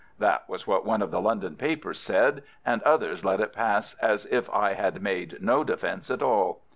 That was what one of the London papers said, and others let it pass as if I had made no defence at all.